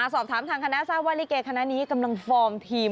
สอบถามทางคณะทราบว่าลิเกคณะนี้กำลังฟอร์มทีม